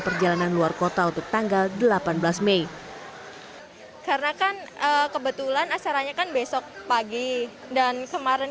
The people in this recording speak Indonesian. perjalanan luar kota untuk tanggal delapan belas mei karena kan kebetulan acaranya kan besok pagi dan kemarin